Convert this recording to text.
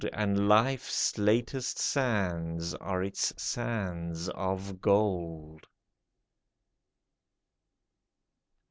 And life's latest sands are its sands of gold